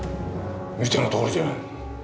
見てのとおりじゃ。